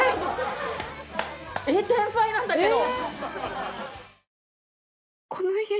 えっ天才なんだけど！